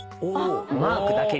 マークだけに。